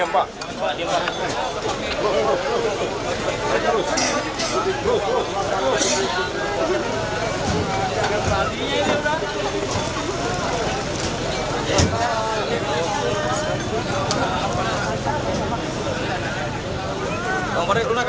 pak diam pak